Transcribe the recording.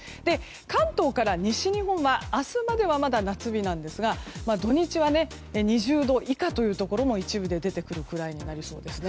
関東から西日本は、明日まではまだ夏日なんですが土日は２０度以下というところも一部で出てくるくらいになりそうです。